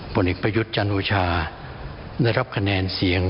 ผลเอกประยุทธ์จันโอชาได้รับคะแนนเสียง